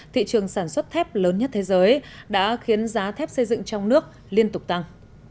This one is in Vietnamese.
thị trường sản xuất thép lớn nhất thế giới đã khiến giá thép xây dựng trong nước liên tục tăng